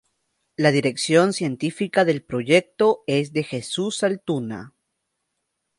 La dirección científica del proyecto es de Jesús Altuna.